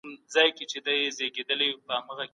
کوم فعالیت غوړو ته لومړیتوب ورکوي؟